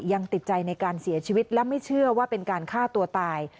ยังติดใจในการเสียชีวิตและไม่เชื่อว่าเป็นการฆ่าตัวตาย